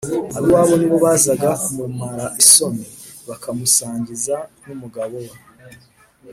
Ab’iwabo ni bo bazaga kumumara isoni, bakamusangiza n’umugabo we.